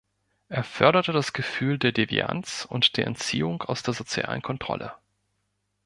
Er förderte das Gefühl der Devianz und der Entziehung aus der sozialen Kontrolle.